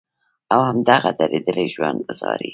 او هم د دغه درديدلي ژوند اظهار ئې